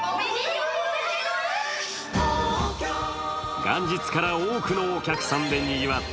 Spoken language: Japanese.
元日から多くのお客さんでにぎわった